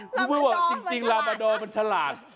คุณพูดว่าจริงลาบาดอด้วยมันฉลาด